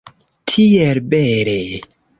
Tiel bele!